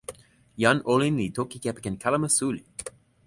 jan olin li toki kepeken kalama suli!